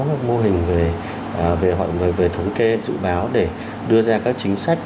các mô hình về thống kê dự báo để đưa ra các chính sách